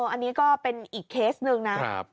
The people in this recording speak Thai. อ่ออันนี้ก็เป็นอีกเคสหนึ่งนะครับ